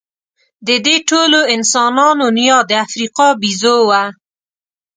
د دې ټولو انسانانو نیا د افریقا بیزو وه.